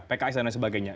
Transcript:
pki dan lain sebagainya